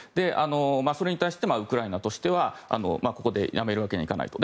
それに対してウクライナとしてはここでやめるわけにはいかないと。